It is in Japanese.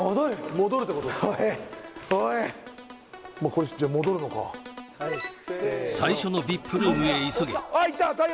おいじゃあ戻るのか最初のＶＩＰルームへ急げ